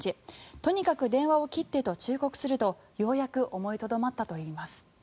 とにかく電話を切ってと忠告するとようやく思いとどまったといいます。